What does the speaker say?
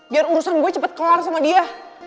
biar urusan gue cepet kelar sama dia